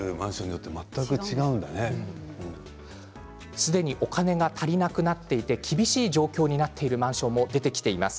すでにお金が足りなくなって厳しい状況になっているマンションも出てきています。